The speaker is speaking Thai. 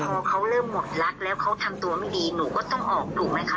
พอเขาเริ่มหมดรักแล้วเขาทำตัวไม่ดีหนูก็ต้องออกถูกไหมคะ